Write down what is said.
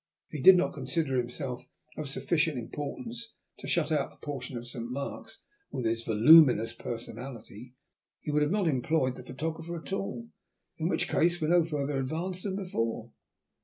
If he did not consider himself of sufficient importance to shut out a portion of Saint Mark's with his voluminous personality, he would not have employed the photographer at all, in which case we are no further advanced than before."